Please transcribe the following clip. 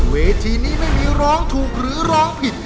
เวทีนี้ไม่มีร้องถูกหรือร้องผิด